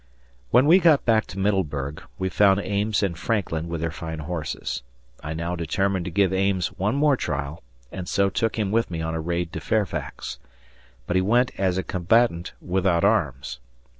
When we got back to Middleburg, we found Ames and Frankland with their fine horses. I now determined to give Ames one more trial and so took him with me on a raid to Fairfax. But he went as a combatant without arms.